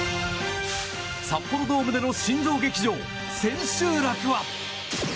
札幌ドームでの新庄劇場千秋楽は。